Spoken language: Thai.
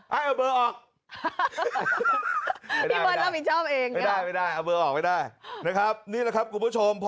พี่บรับมิจองค์เองไม่ได้อย่าออกได้ครับนี่นะครับคุณผู้ชมพอ